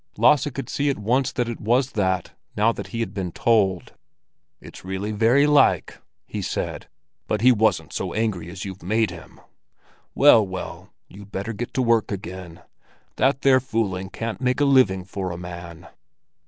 Lasse could see at once that it was that, now that he had been told. "It's really very like," he said; "but he wasn't so angry as you've made him! Well, well, you'd better get to work again; that there fooling can't make a living for a man."